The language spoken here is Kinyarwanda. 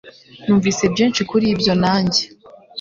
Numvise byinshi kuri ibyo nanjye